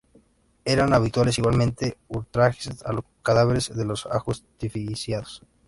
Eran habituales igualmente ultrajes a los cadáveres de los ajusticiados.